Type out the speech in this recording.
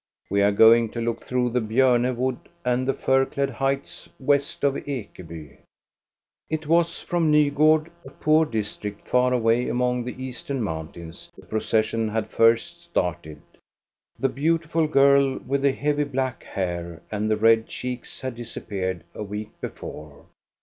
We are going to look through the Bjome wood and the firclad heights west of Ekeby. It was from NygSrd, a poor district far away among the eastern mountains, the procession had first started. The beautiful girl with the heavy, black hair and the red cheeks had disappeared a week before.